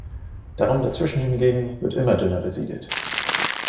Der Raum dazwischen hingegen wird immer dünner besiedelt.